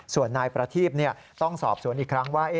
ส่วนนายประทีพต้องสอบสวนอีกครั้งว่า